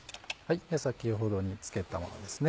先ほど漬けたものですね